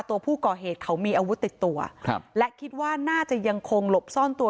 ตัวผู้ก่อเหตุเขามีอาวุธติดตัวครับและคิดว่าน่าจะยังคงหลบซ่อนตัว